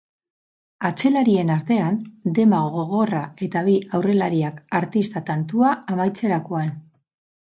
Atzelarien artean dema gogorra eta bi aurrelariak artista tantua amaitzerakoan.